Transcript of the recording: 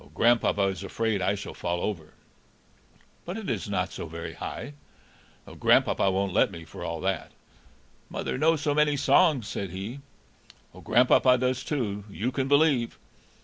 "Grandpapa is afraid I shall fall over." "But it is not so very high." "Grandpapa won't let me, for all that." "Mother knows so many songs," said he. "Grandpapa does too, you can believe."